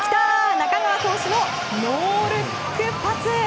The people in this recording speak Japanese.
中川投手のノールックパス。